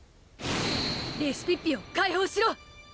・レシピッピを解放しろ！